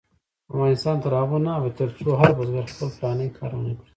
افغانستان تر هغو نه ابادیږي، ترڅو هر بزګر خپل پلاني کار ونکړي.